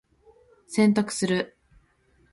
洗濯する。